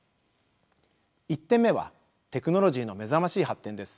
１点目はテクノロジーの目覚ましい発展です。